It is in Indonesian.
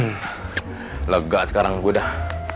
hmm lega sekarang gue dah